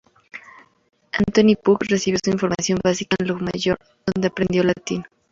Antoni Puig recibió su formación básica en Llucmajor donde aprendió latín.